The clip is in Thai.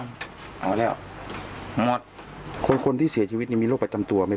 เอามาแล้วหมดคนคนที่เสียชีวิตนี่มีโรคประจำตัวไหม